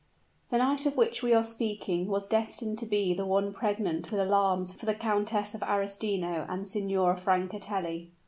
The night of which we are speaking was destined to be one pregnant with alarms for the Countess of Arestino and Signora Francatelli.